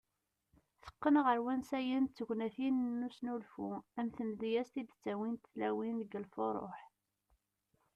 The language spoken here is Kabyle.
Teqqen ɣer wansayen d tegnatin n usnulfu ,am tmedyazt i d -ttawint tlawin deg lfuruh.